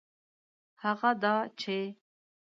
هغه دا چي